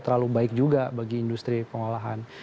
terlalu baik juga bagi industri pengolahan